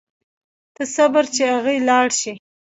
ته صبر چې اغئ لاړ شي.